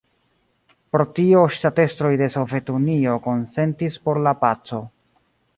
Pro tio ŝtatestroj de Sovetunio konsentis por la paco.